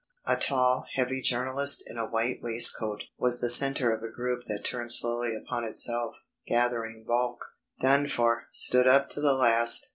A tall, heavy journalist in a white waistcoat was the centre of a group that turned slowly upon itself, gathering bulk. "Done for stood up to the last.